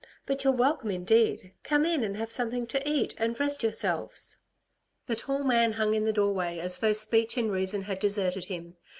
But you're welcome indeed. Come in and have something to eat and rest yourselves." The tall man hung in the doorway as though speech and reason had deserted him.